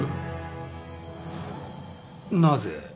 なぜ？